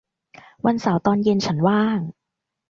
วันเสาร์ตอนเย็นฉันว่าง